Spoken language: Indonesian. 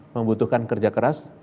membutuhkan kerja keras